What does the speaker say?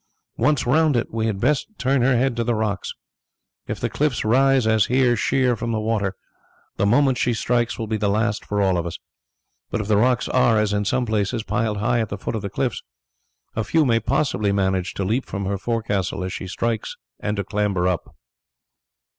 Once round it we had best turn her head to the rocks. If the cliffs rise as here sheer from the water, the moment she strikes will be the last for all of us; but if the rocks are, as in some places, piled high at the foot of the cliffs, a few may possibly manage to leap from her forecastle as she strikes and to clamber up."